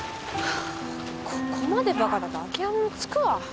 ここまでバカだとあきらめもつくわ。